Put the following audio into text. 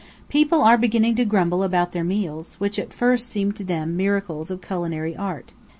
People are beginning to grumble about their meals, which at first seemed to them miracles of culinary art.